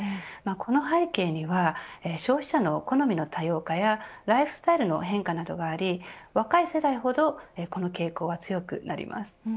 この背景には消費者の好みの多様化やライフスタイルの変化などがあり若い世代ほどこの傾向は強くなります。